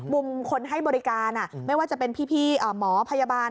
มุมคนให้บริการไม่ว่าจะเป็นพี่หมอพยาบาล